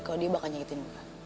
kalo dia bakal nyakitin gua